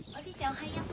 おはよう。